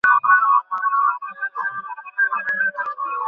এটি যকৃতে সুরক্ষা বর্ম তৈরি করে এবং ক্যানসারের বিরুদ্ধেও লড়তে পারে।